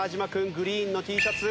グリーンのＴシャツ。